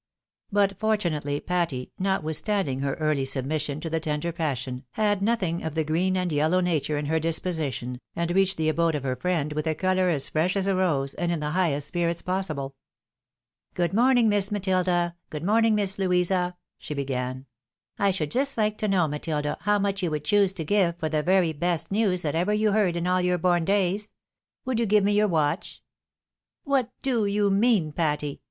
But fortunately Patty, notwithstanding her early submission to t'ne t<>nder pas sion, had nothing of the green and yellow nature in her disposi tion, and reached the abode of her friend with a colour as fresh as a rose, and in the highest spirits possible. " Good morning, Miss Matilda! good morning, Miss Louisa," she began. " I should just like to know, Matilda, how much you would choose to give for the very best news that ever you heard in all your born days ? Would you give me your watch?" "What do you mean, Patty?"